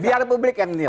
biar publik yang menilai